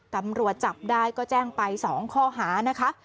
ตำรวจจับได้ก็แจ้งไป๒ข้อหานะคะ